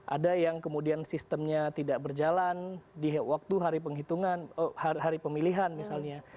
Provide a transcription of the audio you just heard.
ada yang kemudian sistemnya tidak berjalan di waktu hari penghitungan hari pemilihan misalnya